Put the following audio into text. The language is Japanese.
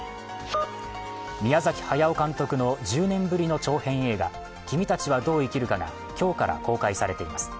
宮崎駿監督の１０年ぶりの長編映画「君たちはどう生きるか」が今日から公開されています。